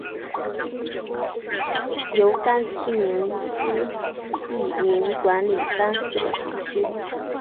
由廿七名司铎名管理廿四个堂区。